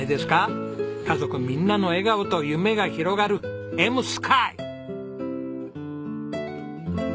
家族みんなの笑顔と夢が広がる笑夢空！